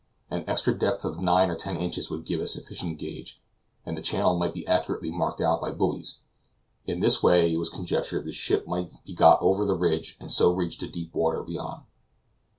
An extra depth of nine or ten inches would give a sufficient gauge, and the channel might be accurately marked out by buoys; in this way it was conjectured the ship might be got over the ridge and so reach the deep water beyond.